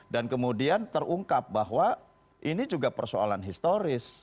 dan kemudian terungkap bahwa ini juga persoalan historis